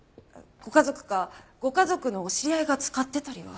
ご家族かご家族のお知り合いが使ってたりは？